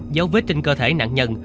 dấu viết trên cơ thể nạn nhân